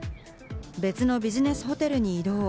別のビジネスホテルに移動。